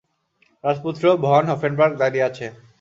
রাজপুত্র von Hofenberg দাঁড়িয়ে আছে।